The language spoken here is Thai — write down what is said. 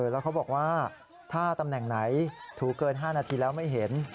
แล้วเขาบอกว่าถ้าตำแหน่งไหนถูเกิน๕นาทีแล้วไม่เห็น